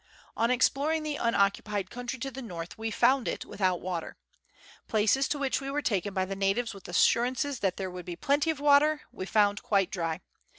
On exploring the unoccupied country to the north, we found it without water. Places to which Letters from Victorian Pioneers. 213 we were taken by the natives with assurances that there would be plenty of water, we found quite dry.